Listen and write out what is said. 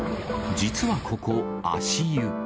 実はここ、足湯。